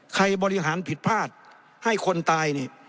ใครบริหารผิดพลาดให้คนตาย